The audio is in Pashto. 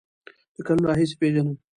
له کلونو راهیسې پیژنم.